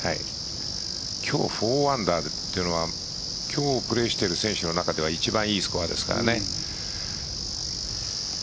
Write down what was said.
今日４アンダーというのは今日プレーしている選手の中では一番いいスコアですからね。